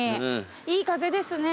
いい風ですね。